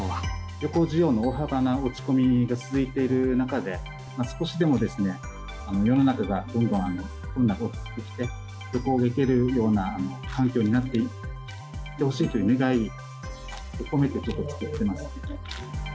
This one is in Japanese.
旅行需要の大幅な落ち込みが続いている中で、少しでも世の中がコロナが落ち着いて、旅行に行けるような環境になっていってほしいという願いを込めて作っています。